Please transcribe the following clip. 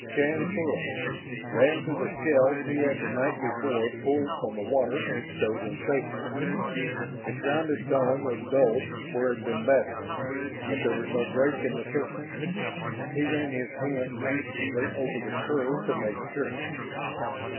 Shann whirled, ran to the shell he had the night before pulled from the water and stowed in safety. Its rounded dome was dulled where it had been battered, but there was no break in the surface. He ran his hands anxiously over the curve to make sure.